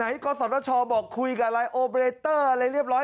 กศชบอกคุยกับอะไรโอเบรเตอร์อะไรเรียบร้อย